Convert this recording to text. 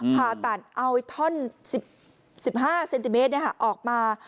ผ่าตัดเอาท่อนสิบห้าเซนติเมตรเนี่ยค่ะออกมา